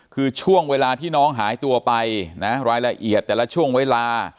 คือช่วงเวลาที่น้องหายตัวไปนะรายละเอียดแต่ละช่วงเวลา